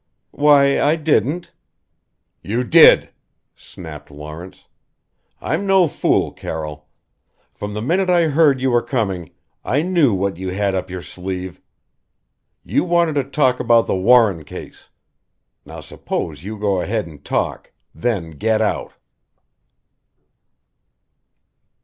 "Why, I didn't " "You did!" snapped Lawrence. "I'm no fool, Carroll. From the minute I heard you were coming, I knew what you had up your sleeve. You wanted to talk about the Warren case! Now suppose you go ahead and talk then get out!"